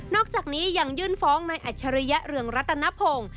อกจากนี้ยังยื่นฟ้องในอัจฉริยะเรืองรัตนพงศ์